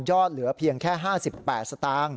เหลือเพียงแค่๕๘สตางค์